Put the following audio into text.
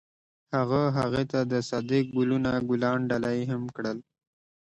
هغه هغې ته د صادق ګلونه ګلان ډالۍ هم کړل.